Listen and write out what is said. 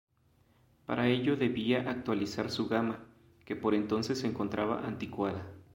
Para ello debía actualizar su gama, que por entonces se encontraba anticuada.